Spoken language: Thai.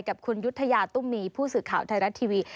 กับคุณยุธยาตุ้มมีผู้สื่อข่าวไทยรัฐทีวี